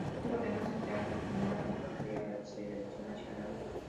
Tuvo además ese año su primera convocatoria a la Selección Nacional.